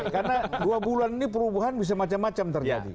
karena dua bulan ini perubahan bisa macam macam terjadi